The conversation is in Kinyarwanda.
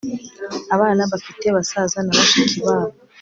abana bafite basaza na bashiki babo